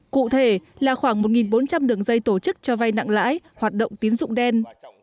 cụ thể là khoảng một bốn trăm linh đường dây tổ chức cho vay nặng lãi hoạt động tín dụng đen